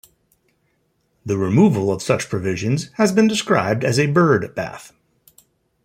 The removal of such provisions has been described as a Byrd Bath.